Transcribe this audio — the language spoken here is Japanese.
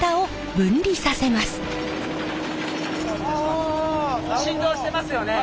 振動してますよね。